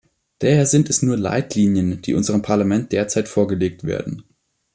Daher sind es nur Leitlinien, die unserem Parlament derzeit vorgelegt werden.